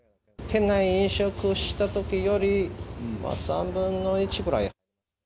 店内飲食したときより、３分の１ぐらい。